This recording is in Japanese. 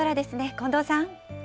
近藤さん。